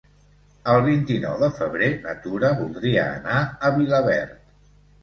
El vint-i-nou de febrer na Tura voldria anar a Vilaverd.